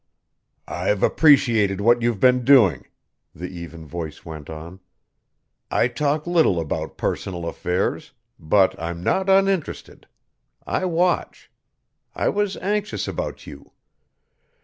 "I've appreciated what you've been doing," the even voice went on. "I talk little about personal affairs. But I'm not uninterested; I watch. I was anxious about you.